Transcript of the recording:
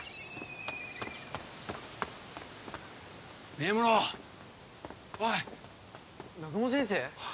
根室おい南雲先生？